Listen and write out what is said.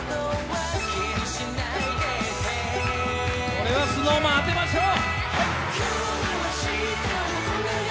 これはＳｎｏｗＭａｎ当てましょう！